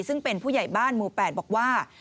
ซึ่งเป็นผู้ใหญ่บ้านหมู่๘บอกว่า